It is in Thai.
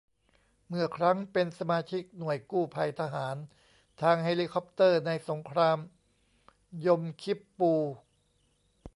เมื่อครั้งเป็นสมาชิกหน่วยกู้ภัยทหารทางเฮลิคอปเตอร์ในสงครามยมคิปปูร์